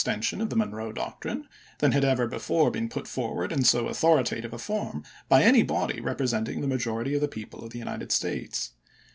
tension of the Monroe Doctrine than had ever be fore been put forward in so authoritative a form by any body representing the majority of the people of the United States.